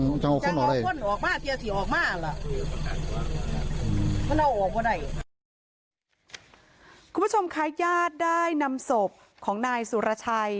น่าเอาออกมาได้คุณผู้ชมค่ายขยาชได้นำสบของนายสุรชัย